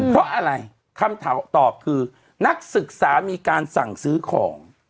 เพราะอะไรคำถามตอบคือนักศึกษามีการสั่งซื้อของ